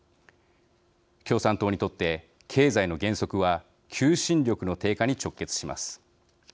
共産党にとって、経済の減速は求心力の低下に直結します。